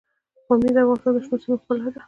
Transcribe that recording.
پامیر د افغانستان د شنو سیمو ښکلا ده.